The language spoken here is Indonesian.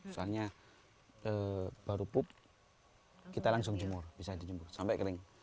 soalnya baru pup kita langsung jumur bisa di jumur sampai kering